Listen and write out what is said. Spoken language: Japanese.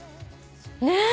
ねえ！